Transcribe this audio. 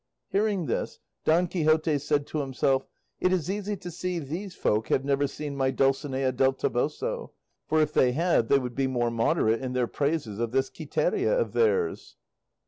Hearing this, Don Quixote said to himself, "It is easy to see these folk have never seen my Dulcinea del Toboso; for if they had they would be more moderate in their praises of this Quiteria of theirs."